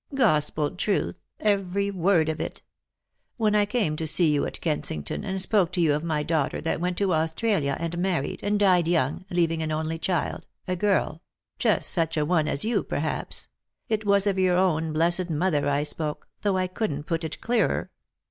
" Gospel truth, every word of it. When I came to see you at Kensington, and spoke to you of my daughter that went to Australia and married, and died young, leaving an only child, a girl — just such a one as you, perhaps — it was of your own blessed mother I spoke, though I couldn't put it clearer.